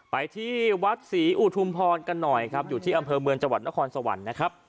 ไปที่วัดศรีอุทุมพรกันหน่อยครับอยู่ที่อำเภอเมืองจังหวัดนครสวรรค์นะครับ